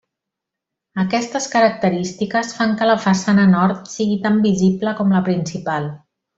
Aquestes característiques fan que la façana nord sigui tan visible com la principal.